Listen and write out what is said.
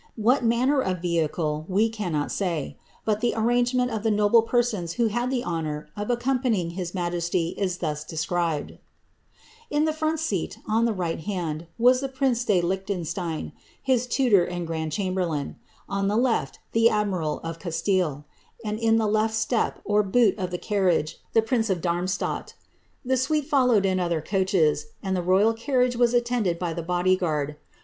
What manner of vehicle, we cannot say; batthi arrangement of the noble persons who had the honour of accompaDviBg his majesty is thus described :—^* In the front seat, on the right hai4 was the prince de Lichtenstein, his tutor and grand charaberiain; ootbe left, the admiral of Castile ; and in the left step or boot of the carriigei the prince of Darmstadt. The suite followed in other coaches, and ibi royal carriage was attended by the body guard.